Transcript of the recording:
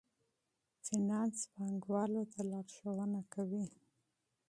فینانس پانګوالو ته لارښوونه کوي.